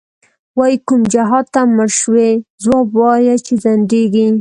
وایې کوم جهادته مړ شوی، ځواب وایه چی ځندیږی